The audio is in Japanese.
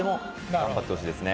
頑張ってほしいですね。